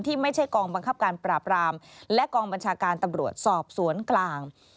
ไม่ใช่กองบังคับการปราบรามและกองบัญชาการตำรวจสอบสวนกลาง